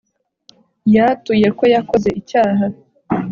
Yatuye ko yakoze icyaha